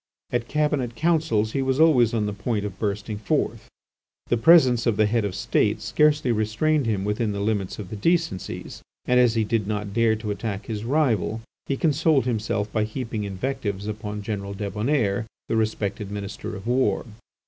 At Cabinet councils he was always on the point of bursting forth. The presence of the Head of the State scarcely restrained him within the limits of the decencies, and as he did not dare to attack his rival he consoled himself by heaping invectives upon General Débonnaire, the respected Minister of War.